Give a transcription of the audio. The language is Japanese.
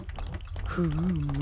フーム。